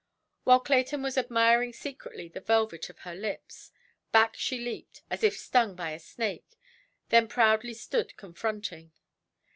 While Clayton was admiring secretly the velvet of her lips, back she leaped, as if stung by a snake; then proudly stood confronting.